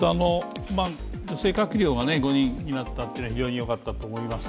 女性閣僚が５人になったというのは非常によかったと思います。